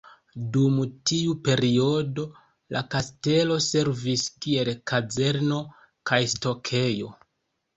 Dum tiu periodo la kastelo servis kiel kazerno kaj stokejo.